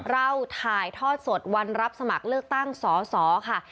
เราถ่ายทอดสดวันรับสมัครเลือกตั้งสอสอค่ะ